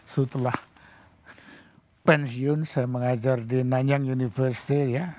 setelah pensiun saya mengajar di nanyang university ya